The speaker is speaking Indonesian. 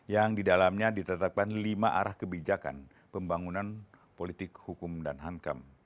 yang di dalamnya ditetapkan lima arah kebijakan pembangunan politik hukum dan hankam